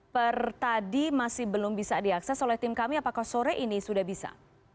per tadi masih belum bisa diakses oleh tim kami apakah sore ini sudah bisa